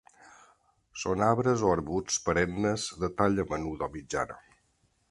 Són arbres o arbusts perennes de talla menuda o mitjana.